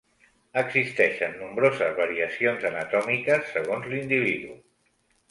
Existeixen nombroses variacions anatòmiques segons l'individu.